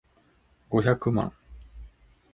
五百万